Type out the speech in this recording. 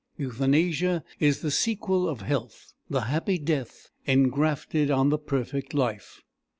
Euthanasia is the sequel of health, the happy death engrafted on the perfect life.